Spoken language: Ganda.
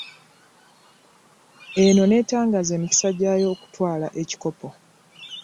Eno n'etangaaza emikisa gyayo okutwala ekikopo.